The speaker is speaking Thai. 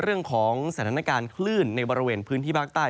เรื่องของสถานการณ์คลื่นในบริเวณพื้นที่ภาคใต้